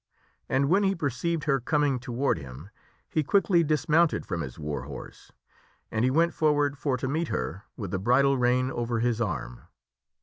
And when he perceived her coming to ward him he quickly dismounted from his war horse and he went for ward for to meet her with the bridle rein over his arm.